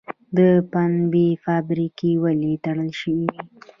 د پنبې فابریکې ولې تړل شوې وې؟